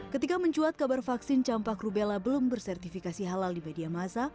ketika mencuat kabar vaksin campak rubella belum bersertifikasi halal di media masa